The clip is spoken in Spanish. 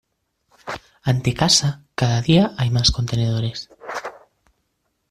Ante casa cada día hay más contenedores.